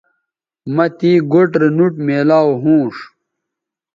مہ تے گوٹھ رے نوٹ میلاو ھونݜ